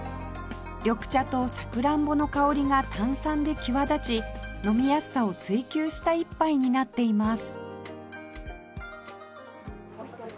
緑茶とさくらんぼの香りが炭酸で際立ち飲みやすさを追求した一杯になっています